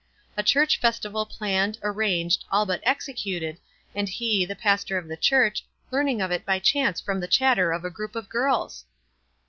A church festival planned, arranged, all but executed, and he, the pastor of the church, learning of it by chance from the chatter of a group of girls